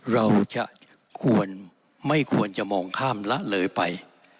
เราจะควรไม่ควรจะมองข้ามละเลยไป